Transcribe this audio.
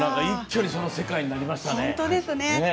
一気にその世界になりましたね。